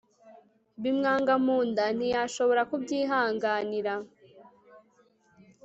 bimwanga mu nda ntiyashobora kubyihanganira